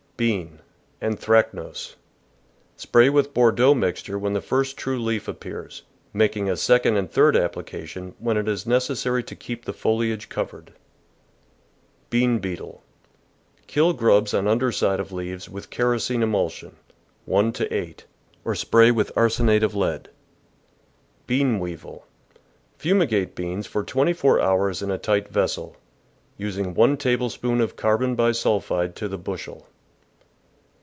Bean. — Anthracnose. — Spray with Bordeaux mixture when the first true leaf appears, making a second and third application when it is neces sary to keep the foliage covered. Bean Beetle. — Kill grubs on under side of leaves with kerosene emulsion (1 to 8) or spray with arsenate of lead. Bean Weevil. — Fumigate beans for twenty four hours in a tight vessel, using one tablespoonful of carbon bisulphide to the bushel.